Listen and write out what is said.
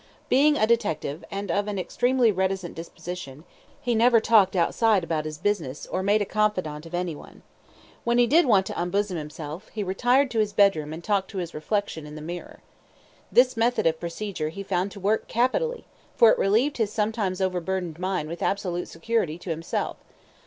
Being a detective, and of an extremely reticent disposition, he never talked outside about his business, or made a confidant of anyone. When he did want to unbosom himself, he retired to his bedroom and talked to his reflection in the mirror. This method of procedure he found to work capitally, for it relieved his sometimes overburdened mind with absolute security to himself.